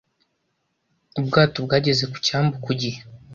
Ubwato bwageze ku cyambu ku gihe